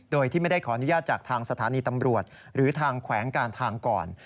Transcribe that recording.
โดยที่ไม่ได้ขออนุญาตจากทางสถานีตำรวจหรือทางแขวงการทางก่อน